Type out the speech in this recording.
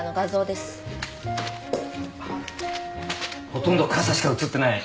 ほとんど傘しか写ってない。